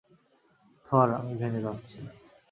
থর, আমি ভেঙে যাচ্ছি!